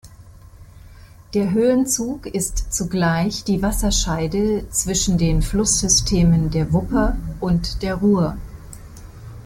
Der Höhenzug ist zugleich die Wasserscheide zwischen den Flusssystemen der Wupper und der Ruhr.